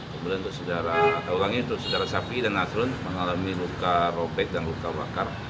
kemudian untuk saudara safi dan nasrun mengalami luka robek dan luka bakar